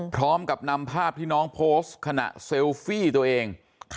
พร้อมกับนำภาพที่น้องโพสต์ขณะเซลฟี่ตัวเอง